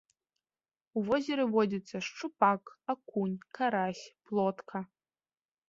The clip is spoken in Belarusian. У возеры водзяцца шчупак, акунь, карась, плотка.